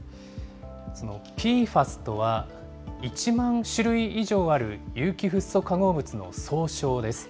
そのＰＦＡＳとは、１万種類以上ある有機フッ素化合物の総称です。